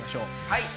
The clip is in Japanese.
はい。